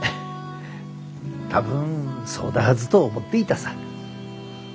多分そうだはずと思っていたさ。